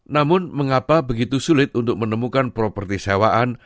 namun mengapa begitu sulit untuk menemukan properti sewaan